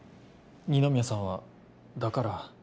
二宮さんはだから。